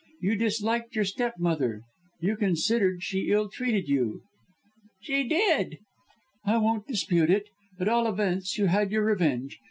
You disliked your stepmother you considered she ill treated you." "She did!" "I won't dispute it. At all events you had your revenge.